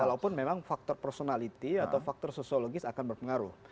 kalaupun memang faktor personality atau faktor sosiologis akan berpengaruh